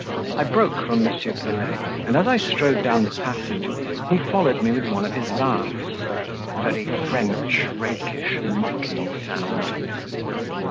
I broke from M. Pelet, and as I strode down the passage he followed me with one of his laughs a very French, rakish, mocking sound.